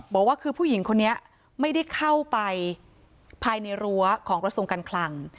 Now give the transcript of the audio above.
บอกว่าคือผู้หญิงคนนี้ไม่ได้เข้าไปภายในรั้วของกระทรวงการคลัง